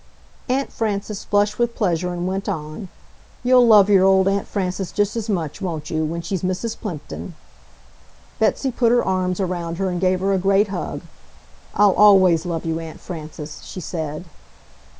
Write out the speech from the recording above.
Aunt Frances flushed with pleasure and went on, "You'll love your old Aunt Frances just as much, won't you, when she's Mrs. Plimpton!" Betsy put her arms around her and gave her a great hug. "I'll always love you, Aunt Frances!" she said.